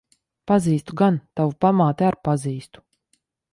Pazīstu gan. Tavu pamāti ar pazīstu.